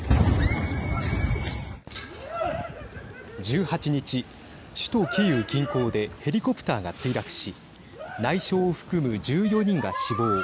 １８日、首都キーウ近郊でヘリコプターが墜落し内相を含む１４人が死亡。